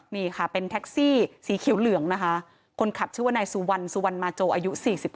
นี่ค่ะเป็นแท็กซี่สีเขียวเหลืองนะคะคนขับชื่อว่านายสุวรรณสุวรรณมาโจอายุ๔๙